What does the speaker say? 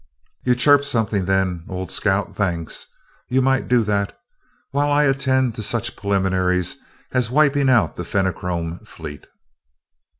"You chirped something then, old scout thanks. You might do that, while I attend to such preliminaries as wiping out the Fenachrone fleet."